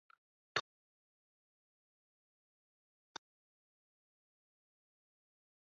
图巴朗是巴西圣卡塔琳娜州的一个市镇。